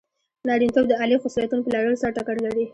نارینتوب د عالي خصلتونو په لرلو سره ټکر لري.